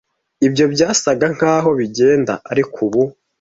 Ibyo byasaga nkaho bigenda, ariko ubu,